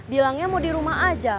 bilangnya mau dirumah aja